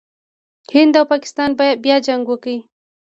هند او پاکستان بیا جنګ وکړ.